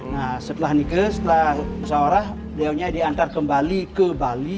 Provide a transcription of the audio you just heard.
nah setelah nikah setelah musyawarah diaunya diantar kembali ke bali